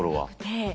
ええ。